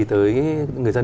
tới người dân